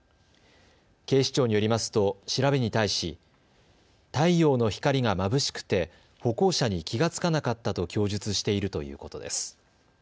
警視庁によりますと調べに対し太陽の光がまぶしくて歩行者に気が付かなかったと供述しているということです。